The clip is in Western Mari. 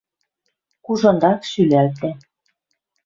Кужынрак шӱлӓлтӓ.